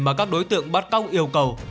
mà các đối tượng bắt cóc yêu cầu